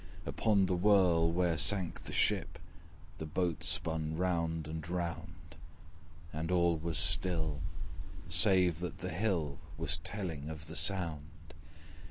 Upon the whirl, where sank the ship, The boat spun round and round; And all was still, save that the hill Was telling of the sound.